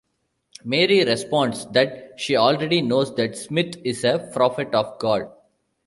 Mary responds that she already knows that Smith is a prophet of God.